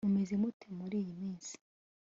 mumeze mute muriyi minsi